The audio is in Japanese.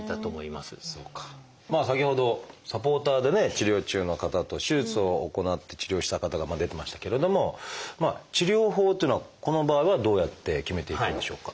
まあ先ほどサポーターでね治療中の方と手術を行って治療した方が出てましたけれども治療法というのはこの場合はどうやって決めていきましょうか？